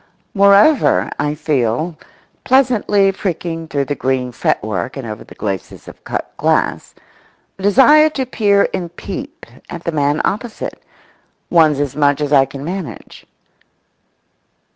Moreover, I feel, pleasantly pricking through the green fretwork and over the glacis of cut glass, a desire to peer and peep at the man opposite—one's as much as I can manage.